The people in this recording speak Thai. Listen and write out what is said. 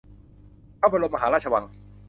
พระบรมมหาราชวัง